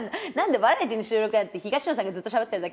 バラエティの収録なんて東野さんがずっとしゃべってるだけ。